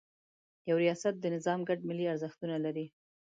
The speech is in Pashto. یو ریاست د نظام ګډ ملي ارزښتونه لري.